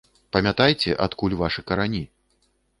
Памятайце, адкуль вашы карані.